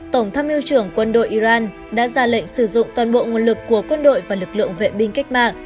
tổng tham mưu trưởng quân đội iran đã ra lệnh sử dụng toàn bộ nguồn lực của quân đội và lực lượng vệ binh cách mạng